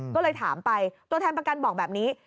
ก็เลยถามไปตัวแทนประกันบอกแบบนี้